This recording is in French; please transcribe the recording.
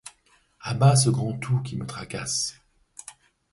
À bas ce grand Tout qui me tracasse!